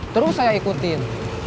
terus saya ikutin